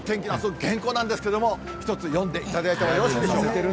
原稿なんですけれども、一つ読んでいただいてもよろしいでしょうか。